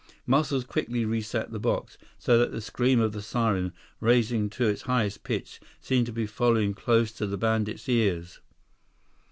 Muscles quickly reset the box, so that the scream of the siren, rising to its highest pitch, seemed to be following close to the bandits' ears.